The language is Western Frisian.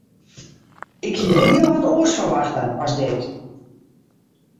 Ik hie hiel wat oars ferwachte as dit.